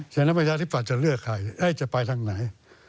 ฉะนั้นประชาธิปัตยจะเลือกใครจะไปทางไหน